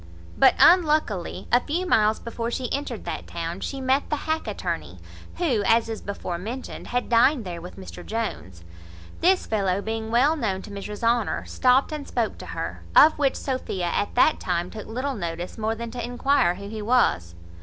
But, unluckily, a few miles before she entered that town, she met the hack attorney, who, as is before mentioned, had dined there with Mr Jones. This fellow, being well known to Mrs Honour, stopt and spoke to her; of which Sophia at that time took little notice, more than to enquire who he was.